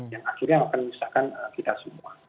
yang akhirnya akan memisahkan kita semua